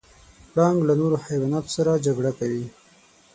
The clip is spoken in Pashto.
پړانګ له نورو حیواناتو سره جګړه کوي.